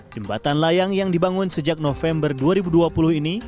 jembatan layang yang dibangun sejak november dua ribu dua puluh ini